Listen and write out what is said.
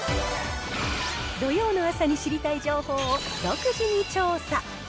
土曜の朝に知りたい情報を独自に調査。